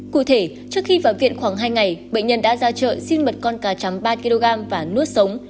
cụ thể trước khi vào viện khoảng hai ngày bệnh nhân đã ra chợ xin mật con cá chấm ba kg và nuốt sống